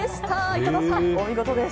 井戸田さん、お見事です。